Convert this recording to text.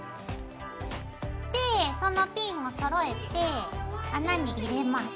でそのピンをそろえて穴に入れます。